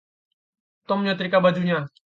Tom menyetrika bajunya.